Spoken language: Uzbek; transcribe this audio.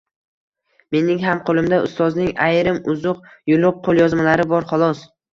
— Mening ham qo’limda ustozning ayrim uzuq-yuluq qo’lyozmalari bor xolos.